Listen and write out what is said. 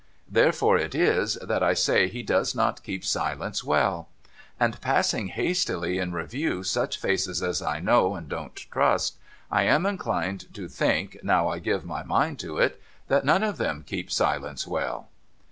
Therefore it is, that I say he does not keep silence well. And passing hastily in review such faces as I know, and don't trust, I am inclined to think, now I give my mind to it, that none of them keep silence well.'